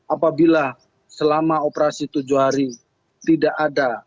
apabila selama operasi tujuh hari tidak ada